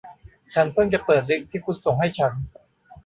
ฉันเพิ่งจะเปิดลิงค์ที่คุณส่งให้ฉัน